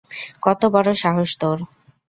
কত বড় সাহস তোর!